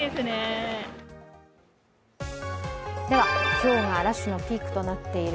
今日がラッシュのピークとなっている